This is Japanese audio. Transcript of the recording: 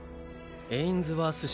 エインズワース式